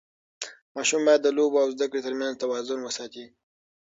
ماشوم باید د لوبو او زده کړې ترمنځ توازن وساتي.